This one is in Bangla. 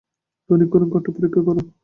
দক্ষিণের ঘরটা পরীক্ষা করো।